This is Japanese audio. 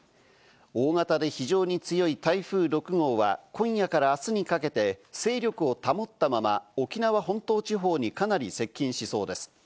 大型で非常に強い台風６号は、今夜からあすにかけて勢力を保ったまま、沖縄本島地方にかなり接近しそうです。